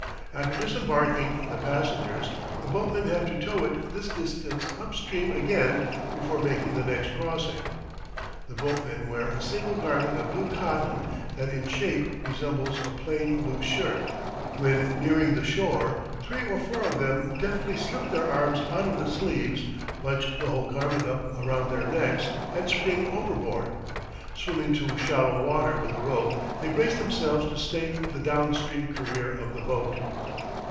After disembarking the passengers, the boatmen have to tow it this distance up stream again before making the next crossing. The boatmen wear a single garment of blue cotton that in shape resembles a plain loose shirt. When nearing the shore, three or four of them deftly slip their arms out of the sleeves, bunch the whole garment up around their necks, and spring overboard. Swimming to shallow water with a rope, they brace themselves to stay the down stream career of the boat.